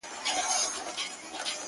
سیاه پوسي ده ـ مرگ خو یې زوی دی ـ